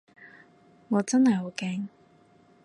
我真係好驚